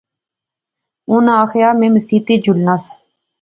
اُناں آخیا میں مسیتی اچ جلنس